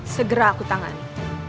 segera aku tangani